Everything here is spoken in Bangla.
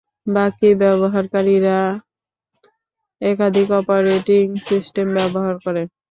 বাকি ব্যবহারকারীরা একাধিক অপারেটিং সিস্টেম ব্যবহার করে।